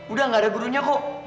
udah gak ada gurunya kok